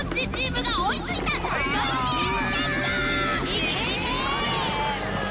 いけいけ！